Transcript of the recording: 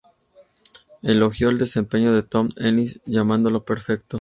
Elogió el desempeño de Tom Ellis llamándolo "perfecto".